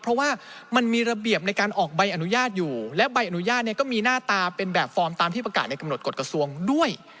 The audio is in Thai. เพราะว่ามันมีระเบียบในการออกใบอนุญาตอยู่และใบอนุญาตเนี่ยก็มีหน้าตาเป็นแบบฟอร์มตามที่ประกาศในกำหนดกฎกระทรวงด้วย